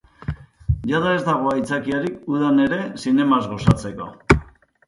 Jada ez dago aitzakiarik udan ere zinemaz gozatzeko.